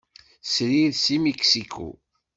Srid seg Mixico.